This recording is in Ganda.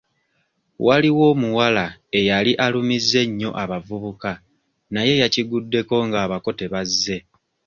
Waliwo omuwala eyali alumizza ennyo abavubuka naye yakiguddeko ng'abako tebazze.